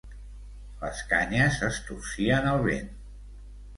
Les canyes es torcien al vent.